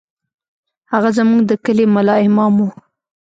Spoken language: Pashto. هغه زموږ د کلي ملا امام و.